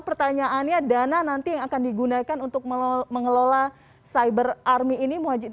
pertanyaannya dana nanti yang akan digunakan untuk mengelola cyber army ini